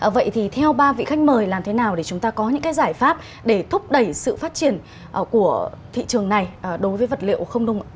vậy thì theo ba vị khách mời làm thế nào để chúng ta có những cái giải pháp để thúc đẩy sự phát triển của thị trường này đối với vật liệu không nung ạ